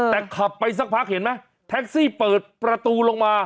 แต่ขับไปสักพักเห็นไหมแท็กซี่เปิดประตูลงมา